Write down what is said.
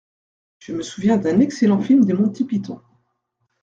Je me souviens d’un excellent film des Monty Python.